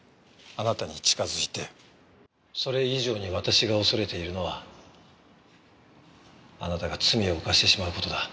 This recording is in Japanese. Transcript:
それ以上に私が恐れているのはあなたが罪を犯してしまう事だ。